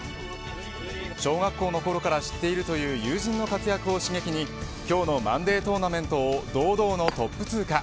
小学校のころから知っているという友人の活躍を刺激に今日のマンデートーナメントを堂々のトップ通過。